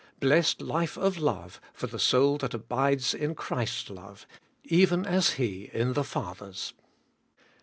Blessed life of love for the soul that abides in Christ's love, even as He in the Father's!